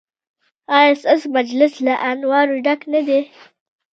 ایا ستاسو مجلس له انوارو ډک نه دی؟